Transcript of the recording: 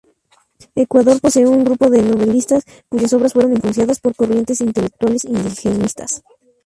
Ecuador posee un grupo de novelistas cuyas obras fueron influenciadas por corrientes intelectuales indigenistas.